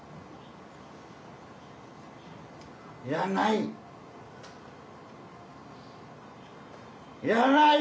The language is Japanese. いらない！